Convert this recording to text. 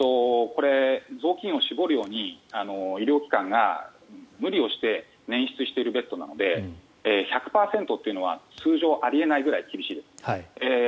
ぞうきんを絞るように医療機関が無理をして捻出しているベッドなので１００％っていうのは通常あり得ないくらい厳しいです。